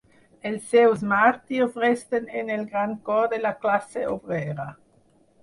Els seus màrtirs resten en el gran cor de la classe obrera.